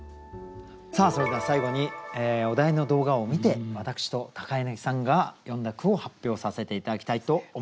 それでは最後にお題の動画を観て私と柳さんが詠んだ句を発表させて頂きたいと思います。